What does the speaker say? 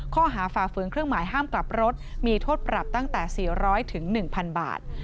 ฝ่าฝืนเครื่องหมายห้ามกลับรถมีโทษปรับตั้งแต่๔๐๐๑๐๐บาท